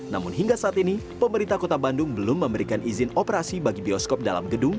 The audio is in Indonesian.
namun hingga saat ini pemerintah kota bandung belum memberikan izin operasi bagi bioskop dalam gedung